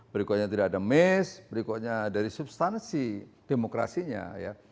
berikutnya tidak ada miss berikutnya dari substansi demokrasinya ya